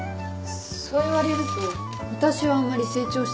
そう言われると私はあんまり成長してないような。